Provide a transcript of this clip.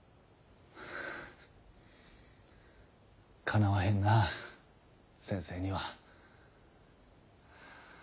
かなわへんなぁ先生には。